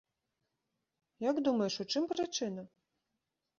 Як думаеш, у чым прычына?